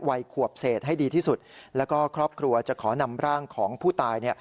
วัยขวบเศษให้ดีที่สุดแล้วก็ครอบครัวจะขอนำร่างของผู้ตายเนี่ย